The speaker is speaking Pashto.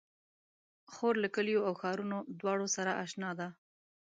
خور له کليو او ښارونو دواړو سره اشنا ده.